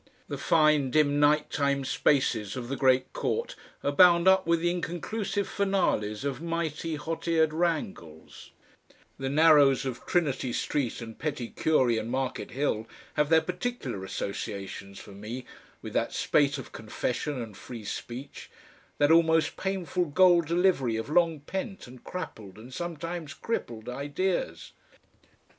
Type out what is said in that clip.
The fine dim night time spaces of the Great Court are bound up with the inconclusive finales of mighty hot eared wrangles; the narrows of Trinity Street and Petty Cury and Market Hill have their particular associations for me with that spate of confession and free speech, that almost painful goal delivery of long pent and crappled and sometimes crippled ideas.